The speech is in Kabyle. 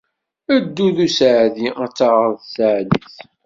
Ddu d useεdi, ad taɣeḍ sseεd-is.